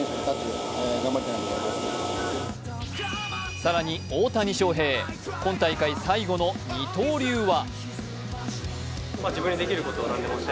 更に大谷翔平、今大会最後の二刀流は？